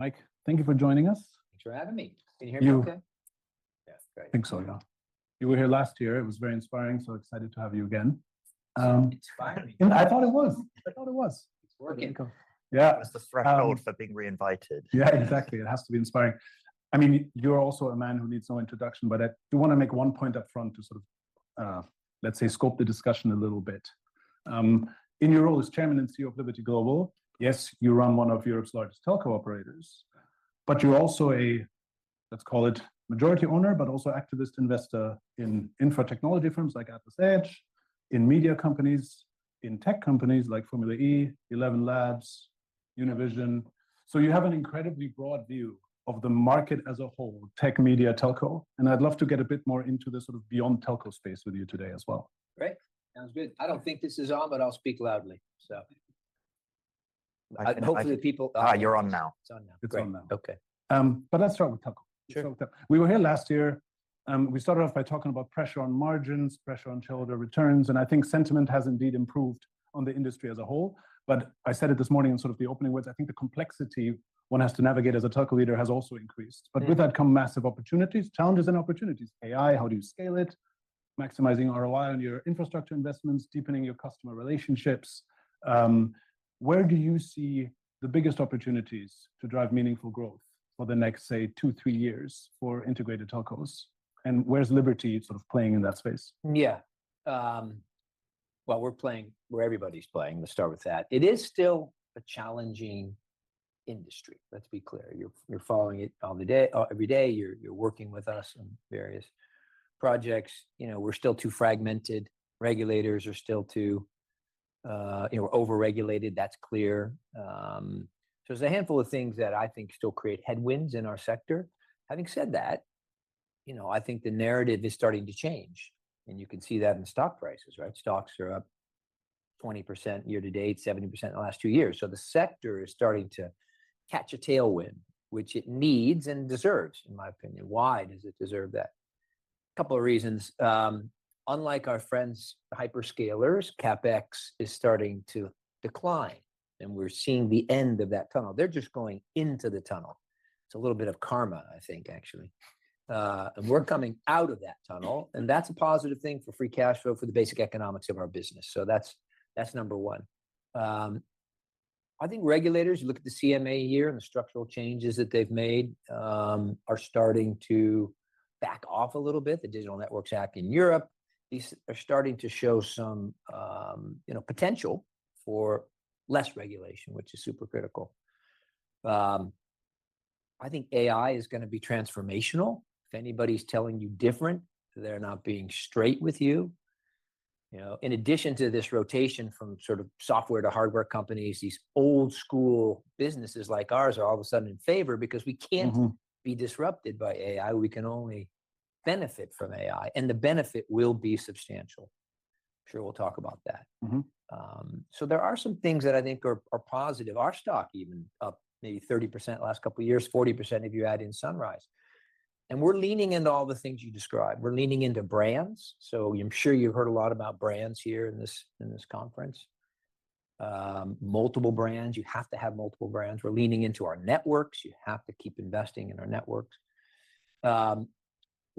Mike, thank you for joining us. Thanks for having me. Can you hear me okay? You- Yeah, great. Think so, yeah. You were here last year. It was very inspiring, so excited to have you again. Inspiring. I thought it was. It's working. Yeah. That's the threshold for being reinvited. Yeah, exactly. It has to be inspiring. I mean, you're also a man who needs no introduction, but I do wanna make one point up front to sort of, let's say, scope the discussion a little bit. In your role as Chairman and CEO of Liberty Global, yes, you run one of Europe's largest telco operators, but you're also a, let's call it majority owner, but also activist investor in info technology firms like AtlasEdge, in media companies, in tech companies like Formula E, ElevenLabs, Univision. You have an incredibly broad view of the market as a whole, tech, media, telco, and I'd love to get a bit more into the sort of beyond telco space with you today as well. Great. Sounds good. I don't think this is on, but I'll speak loudly. You're on now. It's on now. It's on now. Great. Okay. Let's start with telco. Sure. We were here last year. We started off by talking about pressure on margins, pressure on shareholder returns, and I think sentiment has indeed improved on the industry as a whole. I said it this morning in sort of the opening words, I think the complexity one has to navigate as a telco leader has also increased. Yeah. With that come massive opportunities, challenges and opportunities. AI, how do you scale it? Maximizing ROI on your infrastructure investments, deepening your customer relationships. Where do you see the biggest opportunities to drive meaningful growth for the next, say, two, to three years for integrated telcos? Where's Liberty sort of playing in that space? Yeah. Well, we're playing where everybody's playing, let's start with that. It is still a challenging industry. Let's be clear. You're following it all day, every day, you're working with us on various projects. You know, we're still too fragmented. Regulators are still too, you know, over-regulated. That's clear. So there's a handful of things that I think still create headwinds in our sector. Having said that, you know, I think the narrative is starting to change, and you can see that in stock prices, right? Stocks are up 20% year to date, 70% in the last two years. The sector is starting to catch a tailwind, which it needs and deserves, in my opinion. Why does it deserve that? Couple of reasons. Unlike our friends, hyperscalers, CapEx is starting to decline, and we're seeing the end of that tunnel. They're just going into the tunnel. It's a little bit of karma, I think, actually. We're coming out of that tunnel, and that's a positive thing for free cash flow for the basic economics of our business. That's number one. I think regulators, you look at the CMA here and the structural changes that they've made, are starting to back off a little bit. The Digital Networks Act in Europe, these are starting to show some potential for less regulation, which is super critical. I think AI is gonna be transformational. If anybody's telling you different, they're not being straight with you. You know, in addition to this rotation from sort of software to hardware companies, these old school businesses like ours are all of a sudden in favor because we can't. Mm-hmm be disrupted by AI. We can only benefit from AI, and the benefit will be substantial. I'm sure we'll talk about that. Mm-hmm. There are some things that I think are positive. Our stock even up maybe 30% last couple years, 40% if you add in Sunrise. We're leaning into all the things you described. We're leaning into brands. I'm sure you've heard a lot about brands here in this conference. Multiple brands. You have to have multiple brands. We're leaning into our networks. You have to keep investing in our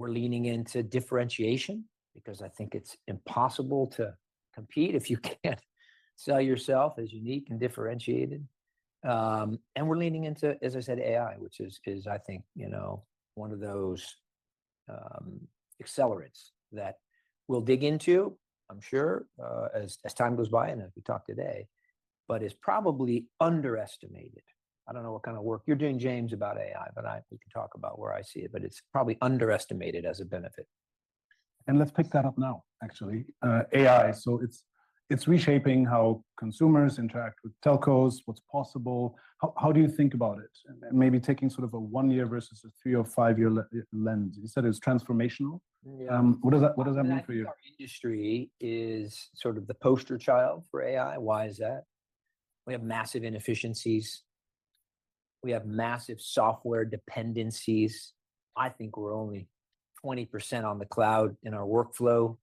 networks. We're leaning into differentiation because I think it's impossible to compete if you can't sell yourself as unique and differentiated. We're leaning into, as I said, AI, which is I think, you know, one of those accelerators that we'll dig into, I'm sure, as time goes by and as we talk today. It is probably underestimated. I don't know what kind of work you're doing, James, about AI, but we can talk about where I see it, but it's probably underestimated as a benefit. Let's pick that up now, actually. AI, so it's reshaping how consumers interact with telcos, what's possible. How do you think about it? Maybe taking sort of a one-year versus a three- or five-year lens. You said it's transformational. Yeah. What does that mean for you? Our industry is sort of the poster child for AI. Why is that? We have massive inefficiencies. We have massive software dependencies. I think we're only 20% on the cloud in our workflow,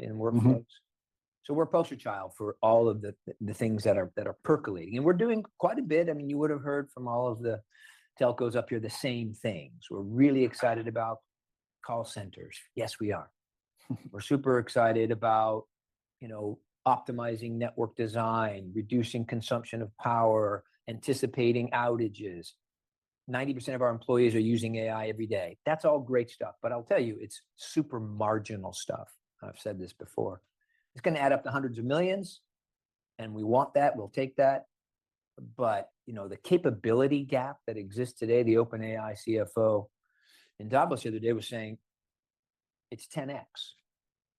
in workflows. Mm-hmm. We're poster child for all of the things that are percolating. We're doing quite a bit. I mean, you would've heard from all of the telcos up here the same things. We're really excited about call centers. Yes, we are. We're super excited about, you know, optimizing network design, reducing consumption of power, anticipating outages. 90% of our employees are using AI every day. That's all great stuff, but I'll tell you, it's super marginal stuff. I've said this before. It's gonna add up to $hundreds of millions, and we want that. We'll take that. You know, the capability gap that exists today, the OpenAI CFO in Davos the other day was saying it's 10x,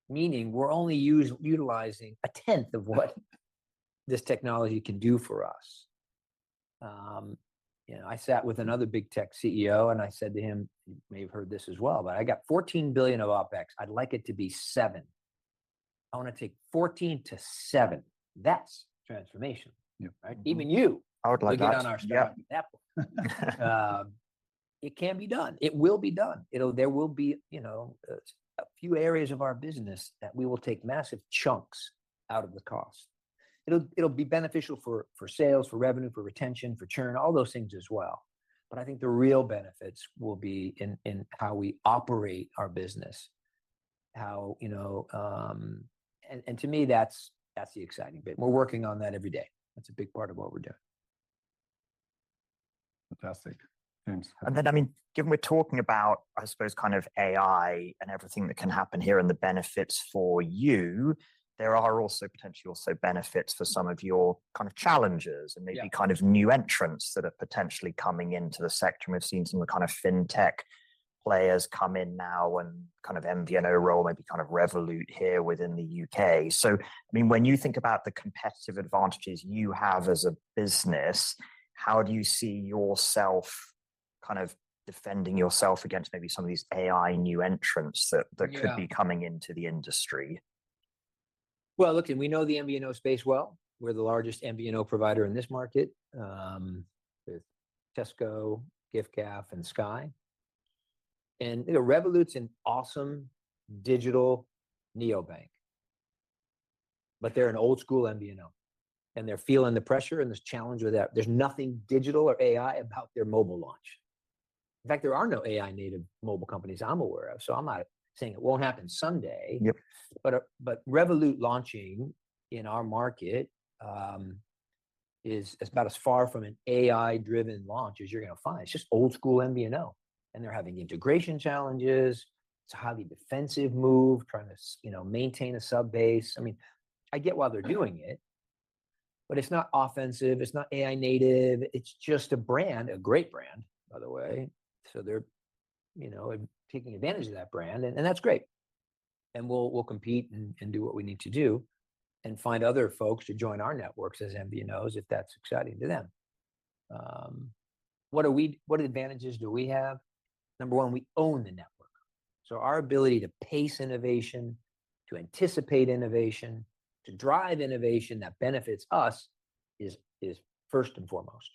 meaning we're only utilizing a tenth of what this technology can do for us. You know, I sat with another big tech CEO, and I said to him, you may have heard this as well, but I got $14 billion of OpEx. I'd like it to be $7 billion. I wanna take $14 billion-$7 billion. That's transformation. Yeah. Right? I would like that.... would get on our Strong Buy. Yeah. It can be done. It will be done. You know, there will be, you know, a few areas of our business that we will take massive chunks out of the cost. It'll be beneficial for sales, for revenue, for retention, for churn, all those things as well. But I think the real benefits will be in how we operate our business. You know, to me, that's the exciting bit. We're working on that every day. That's a big part of what we're doing. Fantastic. Thanks. I mean, given we're talking about, I suppose, kind of AI and everything that can happen here and the benefits for you, there are also potentially also benefits for some of your kind of challenges. Yeah... and maybe kind of new entrants that are potentially coming into the sector, and we've seen some of the kind of fintech players come in now and kind of MVNO role, maybe kind of Revolut here within the U.K. I mean, when you think about the competitive advantages you have as a business, how do you see yourself kind of defending yourself against maybe some of these AI new entrants that? Yeah that could be coming into the industry? Well, look, we know the MVNO space well. We're the largest MVNO provider in this market with Tesco, Giffgaff, and Sky. You know, Revolut's an awesome digital neobank, but they're an old school MVNO, and they're feeling the pressure and this challenge without. There's nothing digital or AI about their mobile launch. In fact, there are no AI-native mobile companies I'm aware of, so I'm not saying it won't happen someday. Yep. Revolut launching in our market is about as far from an AI-driven launch as you're gonna find. It's just old school MVNO, and they're having integration challenges. It's a highly defensive move, trying to you know, maintain a sub base. I mean, I get why they're doing it, but it's not offensive. It's not AI native. It's just a brand, a great brand, by the way. So they're you know, taking advantage of that brand and that's great, and we'll compete and do what we need to do and find other folks to join our networks as MVNOs if that's exciting to them. What advantages do we have? Number one, we own the network, so our ability to pace innovation, to anticipate innovation, to drive innovation that benefits us is first and foremost.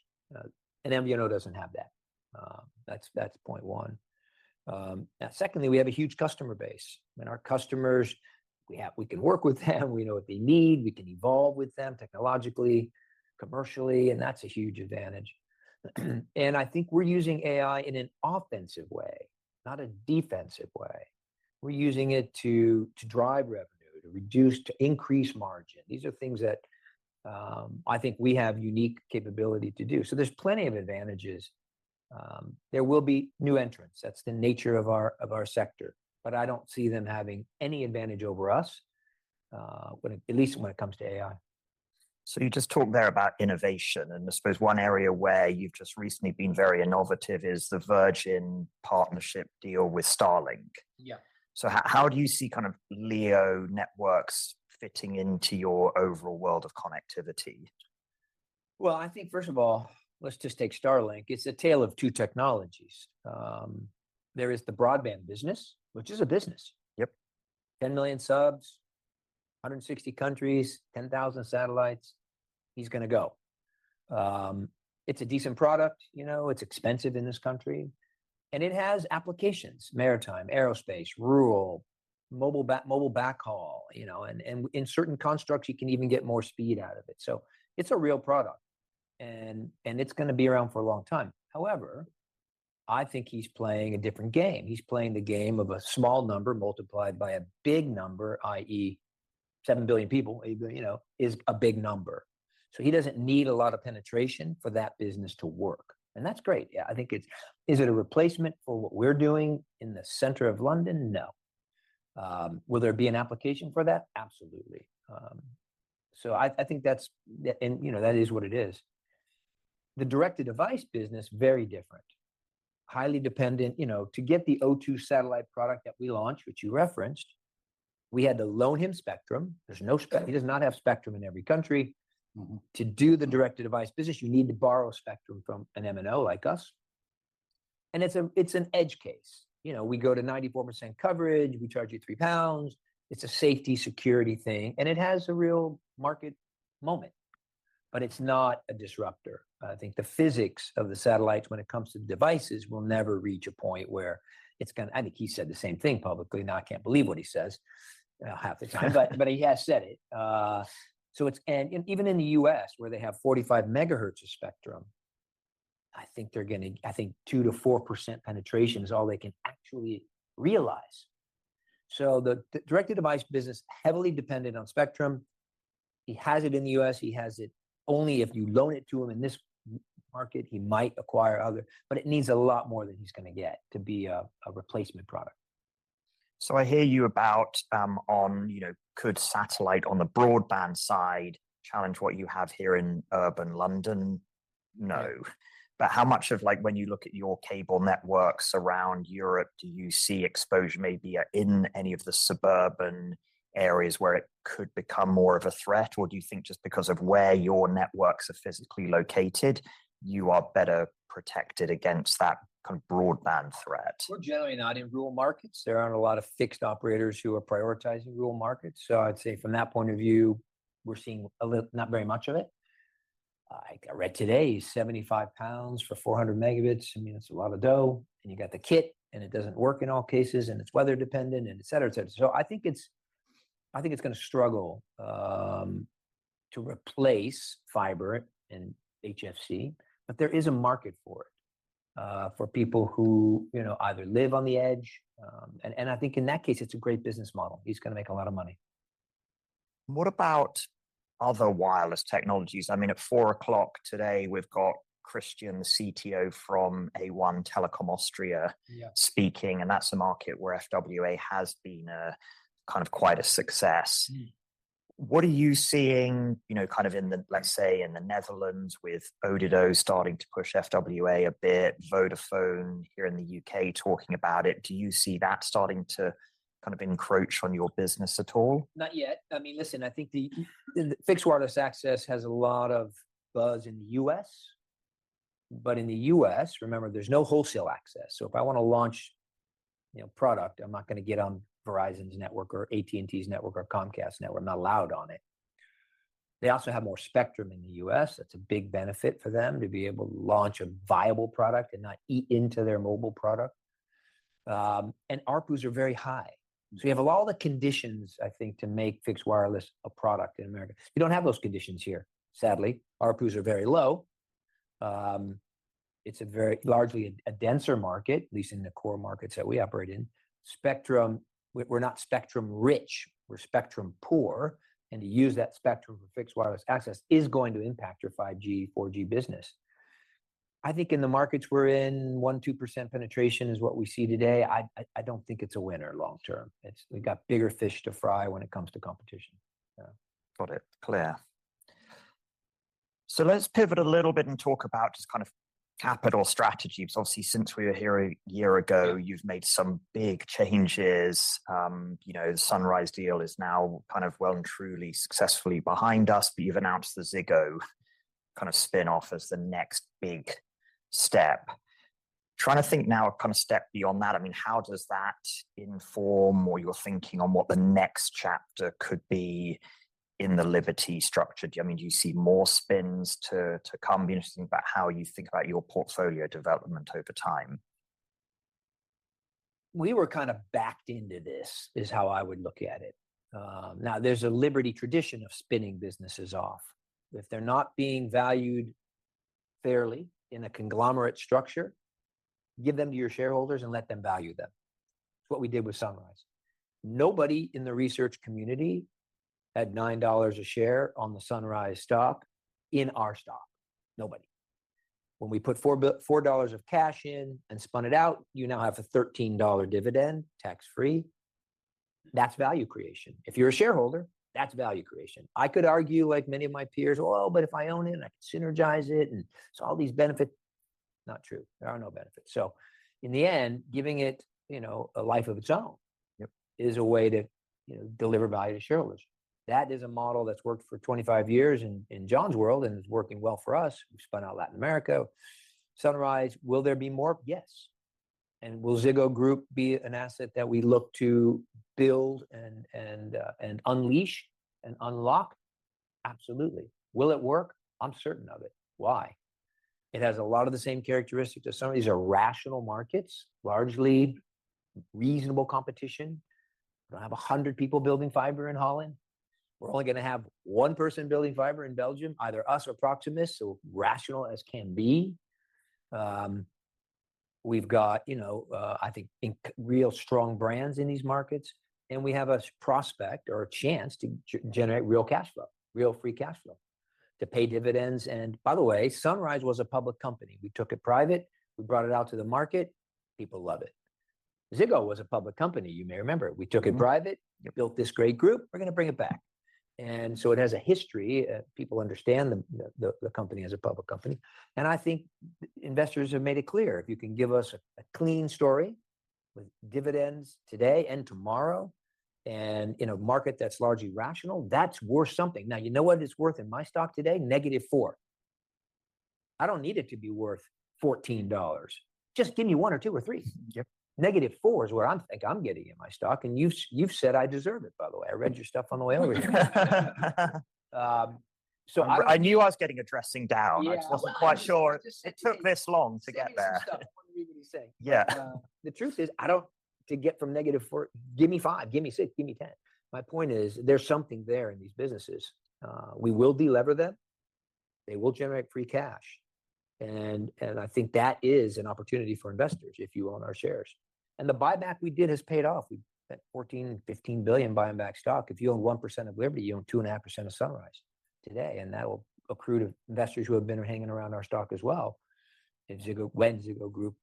MVNO doesn't have that. That's point one. Secondly, we have a huge customer base, and our customers, we can work with them. We know what they need. We can evolve with them technologically, commercially, and that's a huge advantage. I think we're using AI in an offensive way, not a defensive way. We're using it to drive revenue, to reduce, to increase margin. These are things that, I think we have unique capability to do. There's plenty of advantages. There will be new entrants. That's the nature of our sector, but I don't see them having any advantage over us, at least when it comes to AI. You just talked there about innovation, and I suppose one area where you've just recently been very innovative is the Virgin partnership deal with Starlink. Yeah. How do you see kind of LEO networks fitting into your overall world of connectivity? I think, first of all, let's just take Starlink. It's a tale of two technologies. There is the broadband business, which is a business. Yep. 10 million subs, 160 countries, 10,000 satellites. He's gonna go. It's a decent product, you know. It's expensive in this country, and it has applications, maritime, aerospace, rural, mobile backhaul, you know. In certain constructs you can even get more speed out of it. It's a real product, and it's gonna be around for a long time. However, I think he's playing a different game. He's playing the game of a small number multiplied by a big number, i.e., 7 billion people, 8 billion, you know, is a big number. He doesn't need a lot of penetration for that business to work, and that's great. Yeah, I think it's. Is it a replacement for what we're doing in the center of London? No. Will there be an application for that? Absolutely. I think that's. You know, that is what it is. The direct-to-device business, very different. Highly dependent. You know, to get the O2 satellite product that we launched, which you referenced, we had to loan him spectrum. He does not have spectrum in every country. Mm-hmm. To do the direct-to-device business, you need to borrow spectrum from an MNO like us, and it's an edge case. You know, we go to 94% coverage. We charge you 3 pounds. It's a safety, security thing, and it has a real market moment, but it's not a disruptor. I think the physics of the satellites when it comes to devices will never reach a point where it's gonna. I think he said the same thing publicly. Now, I can't believe what he says half the time, but he has said it. It's even in the U.S., where they have 45 MHz of spectrum. I think they're gonna. I think 2%-4% penetration is all they can actually realize. The direct-to-device business, heavily dependent on spectrum. He has it in the U.S. He has it only if you loan it to him in this market. He might acquire other. It needs a lot more than he's gonna get to be a replacement product. I hear you about, on, you know, could satellite on the broadband side challenge what you have here in urban London? No. How much of, like, when you look at your cable networks around Europe, do you see exposure maybe, in any of the suburban areas where it could become more of a threat, or do you think just because of where your networks are physically located, you are better protected against that kind of broadband threat? We're generally not in rural markets. There aren't a lot of fixed operators who are prioritizing rural markets. I'd say from that point of view, we're seeing not very much of it. I read today 75 pounds for 400 megabits. I mean, that's a lot of dough, and you got the kit, and it doesn't work in all cases, and it's weather dependent, and et cetera, et cetera. I think it's gonna struggle to replace fiber and HFC, but there is a market for it, for people who, you know, either live on the edge, and I think in that case it's a great business model. He's gonna make a lot of money. What about other wireless technologies? I mean, at 4:00 today we've got Christian, the CTO from A1 Telekom Austria- Yeah... speaking, that's a market where FWA has been a kind of quite a success. Mm. What are you seeing, you know, kind of in the, let's say in the Netherlands with Odido starting to push FWA a bit, Vodafone here in the U.K. talking about it? Do you see that starting to kind of encroach on your business at all? Not yet. I mean, listen, I think the fixed wireless access has a lot of buzz in the U.S., but in the U.S., remember, there's no wholesale access, so if I wanna launch, you know, product, I'm not gonna get on Verizon's network or AT&T's network or Comcast's network. I'm not allowed on it. They also have more spectrum in the U.S. That's a big benefit for them to be able to launch a viable product and not eat into their mobile product. ARPU's are very high. Mm. You have all the conditions, I think, to make fixed wireless a product in America. You don't have those conditions here, sadly. ARPUs are very low. It's very largely a denser market, at least in the core markets that we operate in. Spectrum, we're not spectrum rich, we're spectrum poor, and to use that spectrum for fixed wireless access is going to impact your 5G, 4G business. I think in the markets we're in, 1%-2% penetration is what we see today. I don't think it's a winner long term. We've got bigger fish to fry when it comes to competition. Yeah. Got it. Clear. Let's pivot a little bit and talk about just kind of capital strategy, 'cause obviously since we were here a year ago- Yeah You've made some big changes. You know, the Sunrise deal is now kind of well and truly successfully behind us, but you've announced the Ziggo kind of spinoff as the next big step. Trying to think now kind of step beyond that, I mean, how does that inform more your thinking on what the next chapter could be in the Liberty structure? Do you, I mean, do you see more spins to come? Be interesting about how you think about your portfolio development over time. We were kind of backed into this, is how I would look at it. Now there's a Liberty tradition of spinning businesses off. If they're not being valued fairly in a conglomerate structure, give them to your shareholders and let them value them. It's what we did with Sunrise. Nobody in the research community had $9 a share on the Sunrise stock in our stock. Nobody. When we put $4 billion of cash in and spun it out, you now have a $13 dividend, tax-free. That's value creation. If you're a shareholder, that's value creation. I could argue like many of my peers, "Well, but if I own it, I can synergize it, and so all these benefits." Not true. There are no benefits. In the end, giving it, you know, a life of its own. Yep... is a way to, you know, deliver value to shareholders. That is a model that's worked for 25 years in John's world, and it's working well for us. We've spun out Latin America. Sunrise, will there be more? Yes. And will Ziggo Group be an asset that we look to build and unleash and unlock? Absolutely. Will it work? I'm certain of it. Why? It has a lot of the same characteristics as some of these irrational markets. Largely reasonable competition. We're gonna have 100 people building fiber in Holland. We're only gonna have one person building fiber in Belgium, either us or Proximus, so rational as can be. We've got, you know, I think real strong brands in these markets, and we have a prospect or a chance to generate real cash flow, real free cash flow to pay dividends. By the way, Sunrise was a public company. We took it private, we brought it out to the market. People love it. Ziggo was a public company, you may remember. Mm-hmm. We took it private. Yep built this great group. We're gonna bring it back. It has a history. People understand the company as a public company, and I think investors have made it clear, if you can give us a clean story with dividends today and tomorrow, and in a market that's largely rational, that's worth something. Now, you know what it's worth in my stock today? -4. I don't need it to be worth $14. Just give me one or two or three. Yep. -4 is where I think I'm getting in my stock, and you've said I deserve it, by the way. I read your stuff on the way over here. I'm- I knew I was getting a dressing down. Yeah. I just wasn't quite sure. Well, I just said to me. It took this long to get there. Serious stuff, what do you really think? Yeah. The truth is, to get from -4, give me five, give me six, give me 10. My point is, there's something there in these businesses. We will delever them. They will generate free cash. I think that is an opportunity for investors if you own our shares. The buyback we did has paid off. We spent $14 billion-$15 billion buying back stock. If you own 1% of Liberty, you own 2.5% of Sunrise today, and that will accrue to investors who have been hanging around our stock as well in Ziggo, when Ziggo Group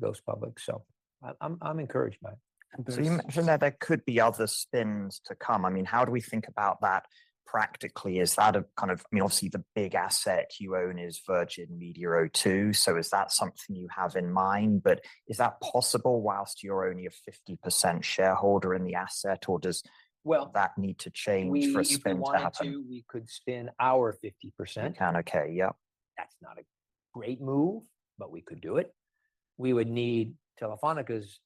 goes public. I'm encouraged by it. You mentioned that there could be other spins to come. I mean, how do we think about that practically? Is that, I mean, obviously the big asset you own is Virgin Media O2, so is that something you have in mind? Is that possible while you're only a 50% shareholder in the asset, or does- Well- that need to change for a spin to happen? We, if we wanted to, we could spin our 50%. You can? Okay, yeah. Great move, we could do it. We would need Telefónica's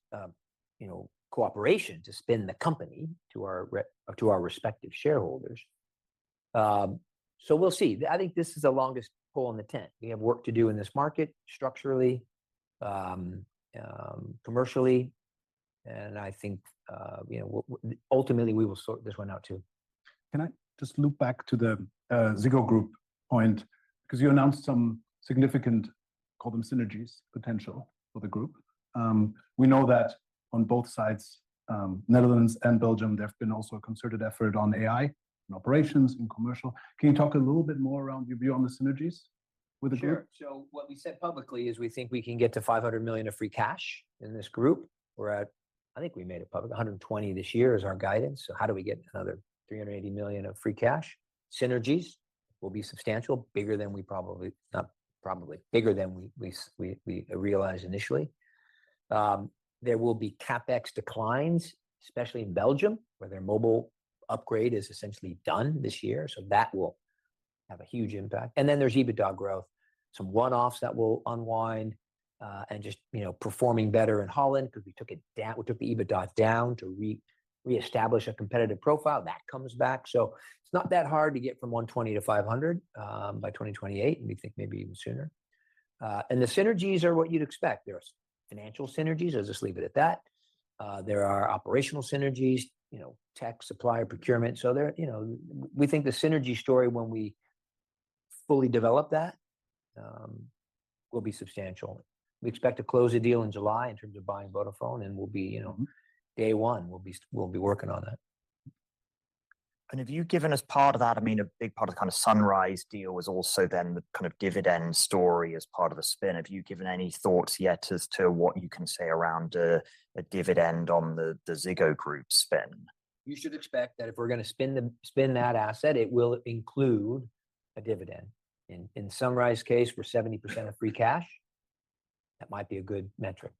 cooperation to spin the company to our respective shareholders. We'll see. I think this is the longest pole in the tent. We have work to do in this market structurally, commercially, and I think ultimately we will sort this one out too. Can I just loop back to the Ziggo Group point? 'Cause you announced some significant, call them synergies potential for the group. We know that on both sides, Netherlands and Belgium, there have been also a concerted effort on AI and operations and commercial. Can you talk a little bit more around your view on the synergies with the group? What we said publicly is we think we can get to $500 million of free cash in this group. We're at, I think we made it public, $120 this year is our guidance, so how do we get another $380 million of free cash? Synergies will be substantial, bigger than we realized initially. There will be CapEx declines, especially in Belgium, where their mobile upgrade is essentially done this year, so that will have a huge impact. Then there's EBITDA growth, some one-offs that will unwind, and just, you know, performing better in Holland because we took the EBITDA down to reestablish a competitive profile. That comes back. It's not that hard to get from 120 to 500 by 2028, and we think maybe even sooner. The synergies are what you'd expect. There's financial synergies. I'll just leave it at that. There are operational synergies, you know, tech, supplier, procurement. We think the synergy story when we fully develop that will be substantial. We expect to close the deal in July in terms of buying Vodafone, and we'll be, you know, day one, we'll be working on that. Have you given as part of that, I mean, a big part of the kind of Sunrise deal was also then the kind of dividend story as part of the spin. Have you given any thoughts yet as to what you can say around a dividend on the Ziggo Group spin? You should expect that if we're gonna spin that asset, it will include a dividend. In Sunrise case, we're 70% of free cash. That might be a good metric.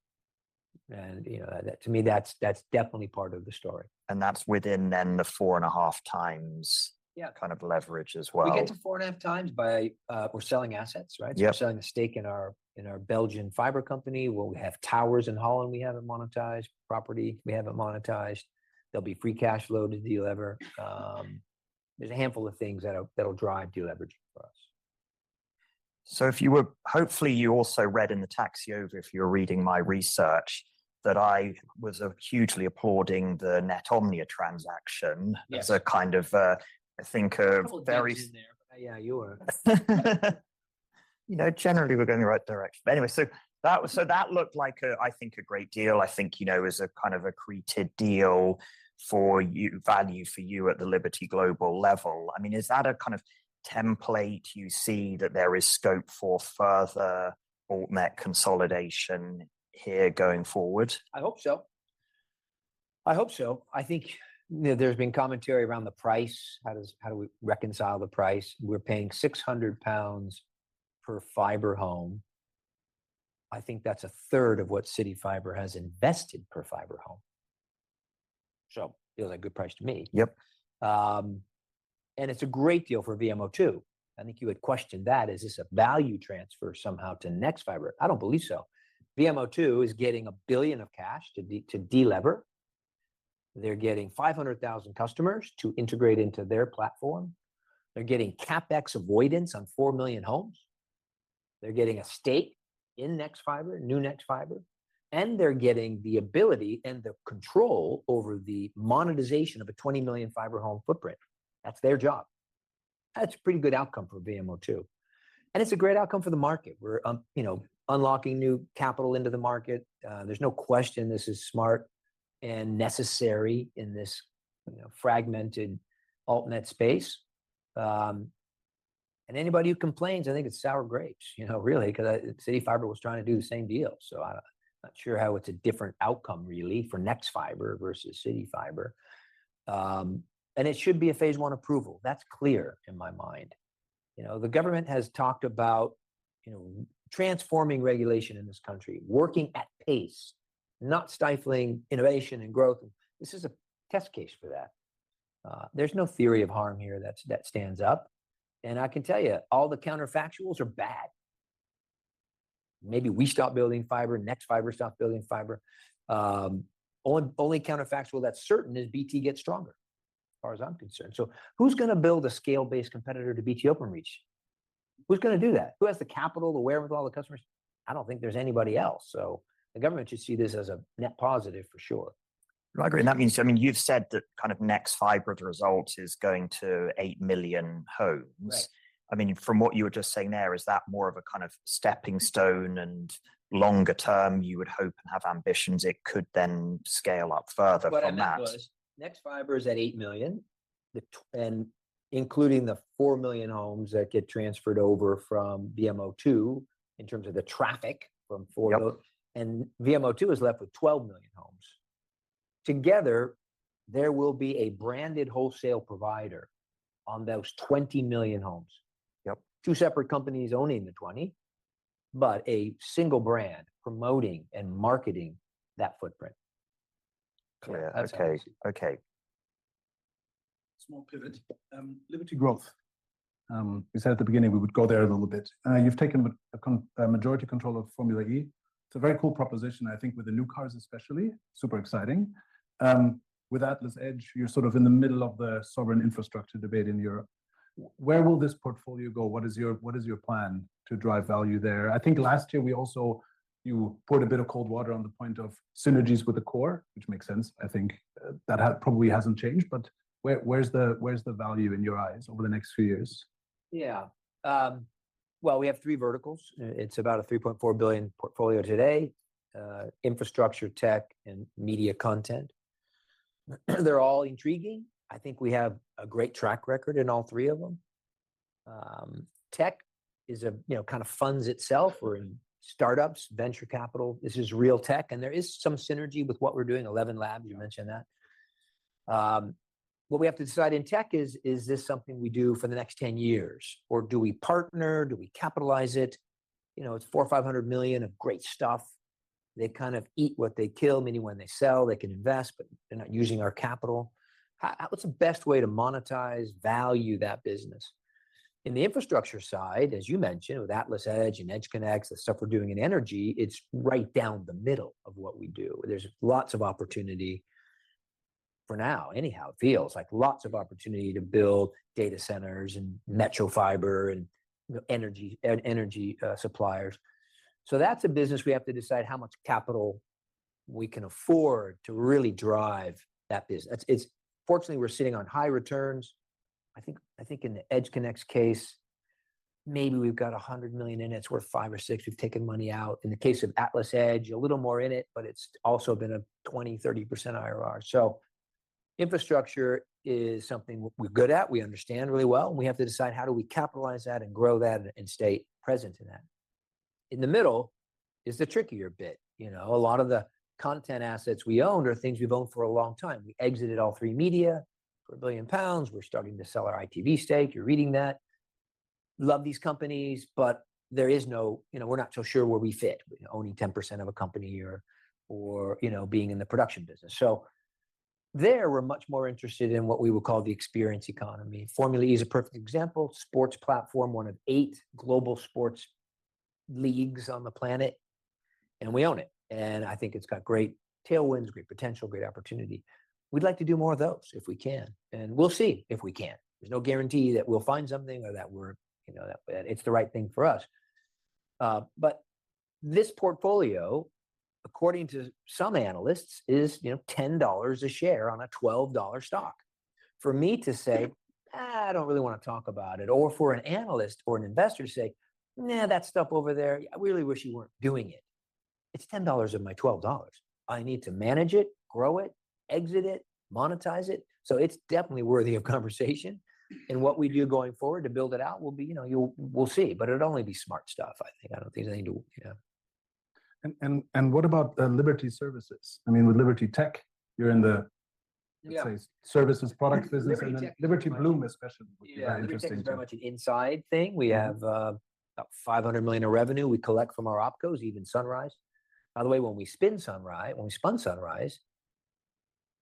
You know, that to me that's definitely part of the story. That's within the 4.5x. Yeah kind of leverage as well. We get to 4.5x by we're selling assets, right? Yep. We're selling a stake in our Belgian fiber company. We'll have towers in Holland we haven't monetized, property we haven't monetized. There'll be free cash flow to de-lever. There's a handful of things that'll drive de-leverage for us. Hopefully, you also read in the taxi over, if you're reading my research, that I was hugely applauding the nexfibre transaction. Yes... as a kind of, I think a very There's a couple of digs in there. Yeah, you were. You know, generally we're going the right direction. Anyway, that looked like, I think, a great deal. I think, you know, it was a kind of accretive deal for you, value for you at the Liberty Global level. I mean, is that a kind of template you see that there is scope for further altnet consolidation here going forward? I hope so. I hope so. I think, you know, there's been commentary around the price. How do we reconcile the price? We're paying 600 pounds per fiber home. I think that's a third of what CityFibre has invested per fiber home. Feels like a good price to me. Yep. It's a great deal for VMO2. I think you had questioned that. Is this a value transfer somehow to Nexfibre? I don't believe so. VMO2 is getting 1 billion of cash to de-lever. They're getting 500,000 customers to integrate into their platform. They're getting CapEx avoidance on 4 million homes. They're getting a stake in Nexfibre, new Nexfibre, and they're getting the ability and the control over the monetization of a 20 million fiber home footprint. That's their job. That's a pretty good outcome for VMO2, and it's a great outcome for the market. We're, you know, unlocking new capital into the market. There's no question this is smart and necessary in this, you know, fragmented altnet space. Anybody who complains, I think it's sour grapes, you know, really, 'cause CityFibre was trying to do the same deal, so I'm not sure how it's a different outcome really for Nexfibre versus CityFibre. It should be a Phase One approval. That's clear in my mind. You know, the government has talked about, you know, transforming regulation in this country, working at pace, not stifling innovation and growth. This is a test case for that. There's no theory of harm here that stands up. I can tell you, all the counterfactuals are bad. Maybe we stop building fiber. Nexfibre stops building fiber. Only counterfactual that's certain is BT gets stronger, as far as I'm concerned. Who's gonna build a scale-based competitor to BT Openreach? Who's gonna do that? Who has the capital, the wherewithal, the customers? I don't think there's anybody else. The government should see this as a net positive for sure. No, I agree. That means, I mean, you've said that kind of Nexfibre as a result is going to 8 million homes. Right. I mean, from what you were just saying there, is that more of a kind of stepping stone and longer term you would hope and have ambitions it could then scale up further from that? What I meant was Nexfibre is at 8 million, and including the 4 million homes that get transferred over from VMO2 in terms of the traffic from 4 mil- Yep VMO2 is left with 12 million homes. Together, there will be a branded wholesale provider on those 20 million homes. Yep. Two separate companies owning the 20, but a single brand promoting and marketing that footprint. Clear. Okay. That's how I see it. Okay. Small pivot. Liberty Growth. We said at the beginning we would go there in a little bit. You've taken majority control of Formula E. It's a very cool proposition, I think with the new cars especially, super exciting. With AtlasEdge, you're sort of in the middle of the sovereign infrastructure debate in Europe. Where will this portfolio go? What is your plan to drive value there? I think last year we also poured a bit of cold water on the point of synergies with the core, which makes sense. I think that probably hasn't changed. Where's the value in your eyes over the next few years? Yeah. Well, we have three verticals. It's about a $3.4 billion portfolio today. Infrastructure, tech, and media content. They're all intriguing. I think we have a great track record in all three of them. Tech is a, you know, kind of funds itself. We're in startups, venture capital. This is real tech, and there is some synergy with what we're doing. ElevenLabs. Yeah... you mentioned that. What we have to decide in tech is this something we do for the next 10 years or do we partner? Do we capitalize it? You know, it's $400 million-$500 million of great stuff. They kind of eat what they kill. Many when they sell, they can invest, but they're not using our capital. How, what's the best way to monetize, value that business? In the infrastructure side, as you mentioned, with AtlasEdge and EdgeConneX, the stuff we're doing in energy, it's right down the middle of what we do. There's lots of opportunity, for now anyhow, it feels like lots of opportunity to build data centers and metro fiber and, you know, energy, suppliers. That's a business we have to decide how much capital we can afford to really drive that business. It's, it's... Fortunately, we're sitting on high returns. I think in the EdgeConneX case, maybe we've got $100 million in it. It's worth five or six. We've taken money out. In the case of AtlasEdge, a little more in it, but it's also been a 20%-30% IRR. Infrastructure is something we're good at, we understand really well, and we have to decide how do we capitalize that and grow that and stay present in that. In the middle is the trickier bit. You know, a lot of the content assets we own are things we've owned for a long time. We exited All3Media for 1 billion pounds. We're starting to sell our ITV stake. You're reading that. Love these companies, but there is no. You know, we're not so sure where we fit, owning 10% of a company or, you know, being in the production business. There, we're much more interested in what we would call the experience economy. Formula E is a perfect example. Sports platform, one of eight global sports leagues on the planet, and we own it, and I think it's got great tailwinds, great potential, great opportunity. We'd like to do more of those if we can, and we'll see if we can. There's no guarantee that we'll find something or that we're, you know, that it's the right thing for us. This portfolio, according to some analysts, is, you know, $10 a share on a $12 stock. For me to say, "Ah, I don't really wanna talk about it," or for an analyst or an investor to say, "Nah, that stuff over there, I really wish you weren't doing it," it's $10 of my $12. I need to manage it, grow it, exit it, monetize it. It's definitely worthy of conversation. What we do going forward to build it out will be, you know. We'll see, but it'll only be smart stuff, I think. I don't think there's anything to, you know. What about Liberty Services? I mean, with Liberty Tech, you're in the Yeah let's say services, products business Liberty Tech Liberty Blume especially would be very interesting to. Yeah. Liberty Tech is very much an inside thing. Mm-hmm. We have about $500 million of revenue we collect from our opcos, even Sunrise. By the way, when we spun Sunrise,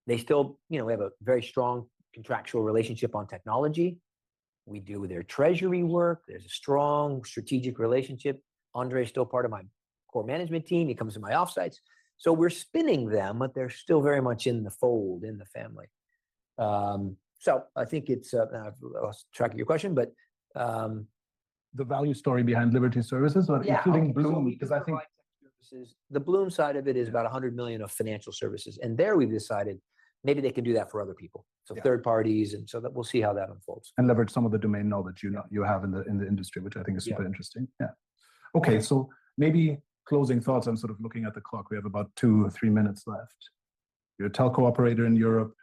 they still. You know, we have a very strong contractual relationship on technology. We do their treasury work. There's a strong strategic relationship. Andre's still part of my core management team. He comes to my offsites. We're spinning them, but they're still very much in the fold, in the family. I think it's. Now I've lost track of your question, but. The value story behind Liberty Services. Yeah. Okay including Blume, because I think When we combine tech services, the Blume side of it is- Yeah... about $100 million of financial services, and there we've decided maybe they can do that for other people. Yeah Third parties and so that we'll see how that unfolds. leverage some of the domain knowledge you- Yeah you have in the industry, which I think is. Yeah Super interesting. Yeah. Okay. Maybe closing thoughts. I'm sort of looking at the clock. We have about two or three minutes left. You're a telco operator in Europe.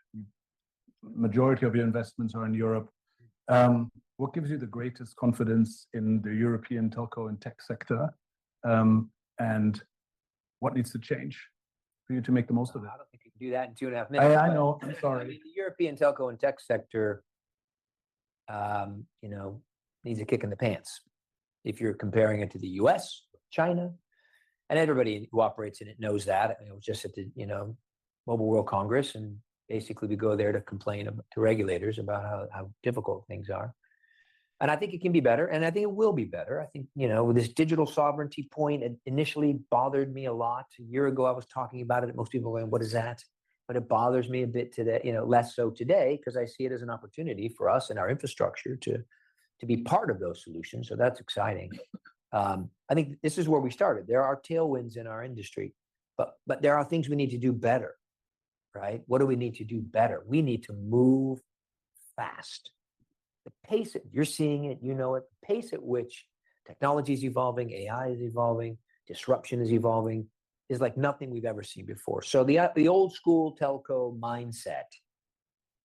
Majority of your investments are in Europe. What gives you the greatest confidence in the European telco and tech sector, and what needs to change for you to make the most of it? I don't think you can do that in two and a half minutes. I know. I'm sorry. I mean, the European telco and tech sector, you know, needs a kick in the pants if you're comparing it to the U.S., China, and everybody who operates in it knows that. I was just at the, you know, Mobile World Congress, and basically we go there to complain to regulators about how difficult things are, and I think it can be better, and I think it will be better. I think, you know, this digital sovereignty point, it initially bothered me a lot. A year ago, I was talking about it, and most people went, "What is that?" It bothers me a bit today, you know, less so today, 'cause I see it as an opportunity for us and our infrastructure to be part of those solutions, so that's exciting. I think this is where we started. There are tailwinds in our industry, but there are things we need to do better, right? What do we need to do better? We need to move fast. You're seeing it and you know it. The pace at which technology's evolving, AI is evolving, disruption is evolving, is like nothing we've ever seen before. The old school telco mindset,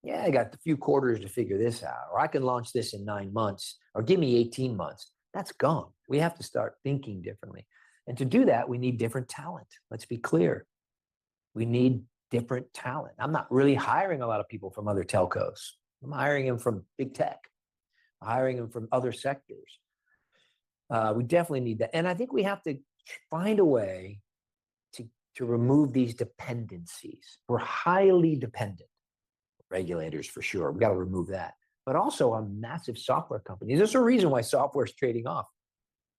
"Yeah, I got a few quarters to figure this out," or, "I can launch this in nine months," or, "Give me 18 months," that's gone. We have to start thinking differently, and to do that, we need different talent. Let's be clear. We need different talent. I'm not really hiring a lot of people from other telcos. I'm hiring them from big tech. I'm hiring them from other sectors. We definitely need that, and I think we have to find a way to remove these dependencies. We're highly dependent. Regulators for sure, we've gotta remove that, but also on massive software companies. There's a reason why software's trading off.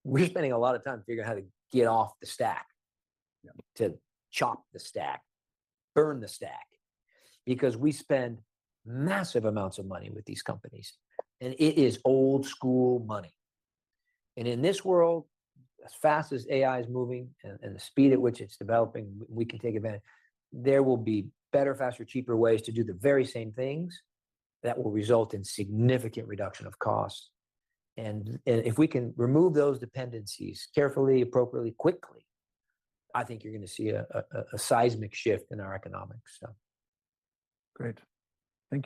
We're spending a lot of time figuring how to get off the stack, you know, to chop the stack, burn the stack, because we spend massive amounts of money with these companies, and it is old school money. In this world, as fast as AI is moving and the speed at which it's developing, we can take advantage. There will be better, faster, cheaper ways to do the very same things that will result in significant reduction of cost. If we can remove those dependencies carefully, appropriately, quickly, I think you're gonna see a seismic shift in our economics. Great. Thank you.